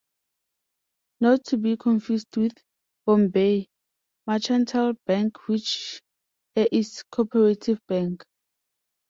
Not to be confused with Bombay Mercantile Bank which a is Co-operative bank.